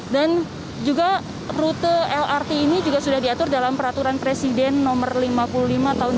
juga rute lrt ini juga sudah diatur dalam peraturan presiden nomor lima puluh lima tahun dua ribu dua